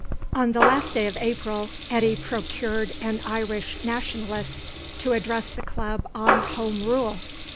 On the last day of April, Eddy procured an Irish Nationalist to address the Club on Home Rule.